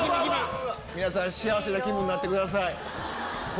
皆さん幸せな気分になってください。